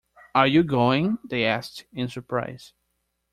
Are you going? they asked, in surprise.